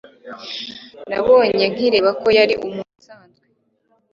Nabonye nkireba ko yari umuntu usanzwe.